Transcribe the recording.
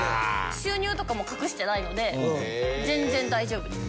収入とかも隠してないので全然大丈夫です。